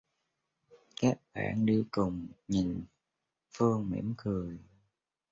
Các bạn đi cùng nhìn Phương mỉm cười